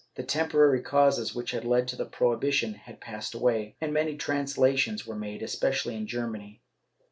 The tem porary causes which had led to their prohibition had passed away, and many translations were made, especially in Germany.